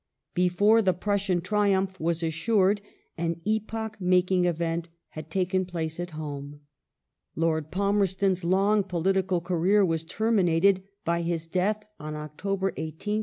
I Before the Prussian triumph was assured, an epoch making event had taken place at home. Lord Palmerston's long political career was terminated by his death on October 18th, 1865.